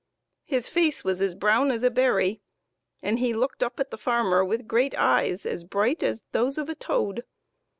His face was as brown as a berry, and he looked up at the farmer with great eyes as bright as those of a toad.